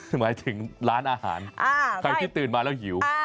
หมายถึงร้านอาหารใครที่ตื่นมาแล้วหิว